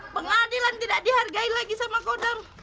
pengadilan tidak dihargai lagi sama kodam